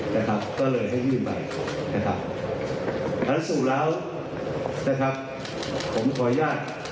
นะครับก็เลยให้ยื่นไปนะครับอันนั้นสู่แล้วนะครับผมขออนุญาต